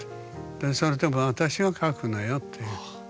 でそれでも私は書くのよという。